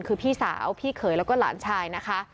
คือพี่สาวพี่เขยแล้วก็หลานชายนะคะ